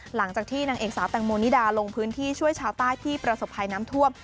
หลังจากที่นางเอกสาวแตงโมนิดาลงพื้นที่ช่วยชาวใต้ที่ประสบภัยน้ำท่วม